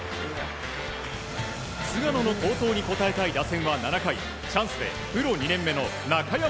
菅野好投に応えたい打線は７回チャンスでプロ２年目の中山